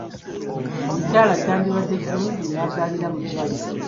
Omukyala kyandibadde kirungi n'azaalira mu ddwaliro.